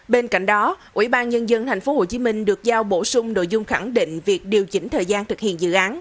bên cạnh đó ủy ban nhân dân tp hcm được giao bổ sung nội dung khẳng định việc điều chỉnh thời gian thực hiện dự án